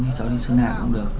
thì cháu đi sơn la cũng được